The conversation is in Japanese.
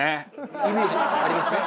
イメージありますね。